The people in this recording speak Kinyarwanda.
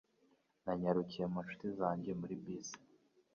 Nanyarukiye mu nshuti yanjye muri bisi